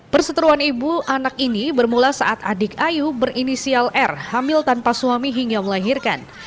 perseteruan ibu anak ini bermula saat adik ayu berinisial r hamil tanpa suami hingga melahirkan